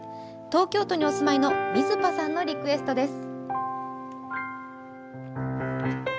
東京都にお住まいのみずぱさんのリクエストです。